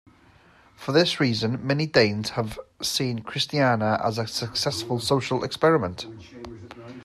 For this reason many Danes have seen Christiania as a successful social experiment.